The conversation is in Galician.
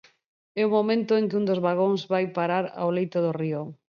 É o momento en que un dos vagóns vai parar ao leito do río.